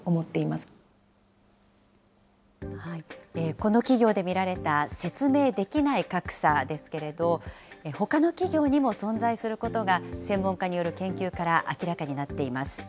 この企業で見られた説明できない格差ですけれども、ほかの企業にも存在することが、専門家による研究から明らかになっています。